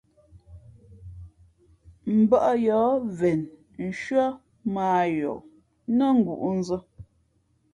Mbᾱʼ yǒh ven nshʉ́ά mά ā yǒh nά ngǔʼnzᾱ.